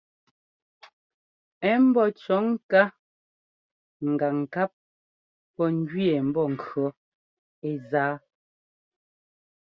Ɛ̌ mbɔ́ cʉ̈ɔ ŋká gǎŋ ŋkap pɔ̂ njʉɛɛ mbɔnkʉ̈ɔ ɛ́ zá.